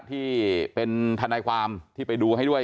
ที่เป็นทนายความที่ไปดูให้ด้วย